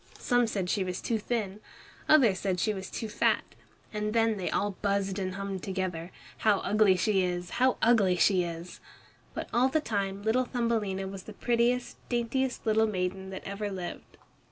Some said she was too thin, others that she was too fat, and then they all buzzed and hummed together, "How ugly she is, how ugly she is!" But all the time little Thumbelina was the prettiest, daintiest little maiden that ever lived.